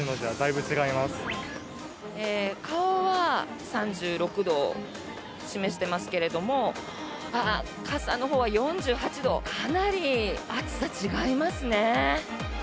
顔は３６度を示していますけども傘のほうは４８度かなり暑さ違いますね。